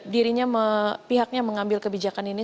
dirinya pihaknya mengambil kebijakan ini